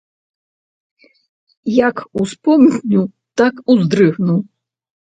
Як успомню, так уздрыгну.